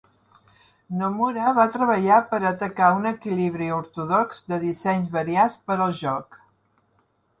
Nomura va treballar per atacar un equilibri ortodox de dissenys variats per al joc.